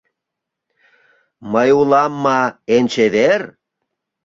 «Мый улам ма эн чевер?